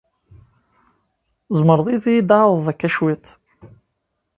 Tzemreḍ ad iyi-d-tɛawdeḍ akka cwiṭ?